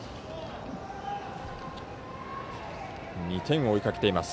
２点を追いかけています。